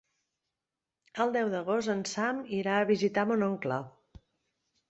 El deu d'agost en Sam irà a visitar mon oncle.